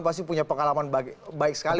pasti punya pengalaman baik sekali